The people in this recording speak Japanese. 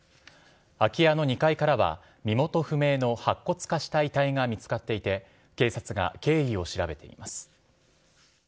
空き家の２階からは身元不明の白骨化した遺体が見つかっていて、警察が経緯を調べています。